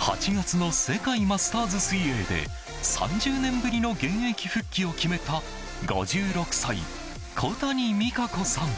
８月の世界マスターズ水泳で３０年ぶりの現役復帰を決めた５６歳、小谷実可子さん。